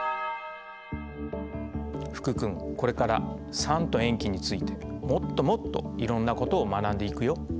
福君これから酸と塩基についてもっともっといろんなことを学んでいくよ。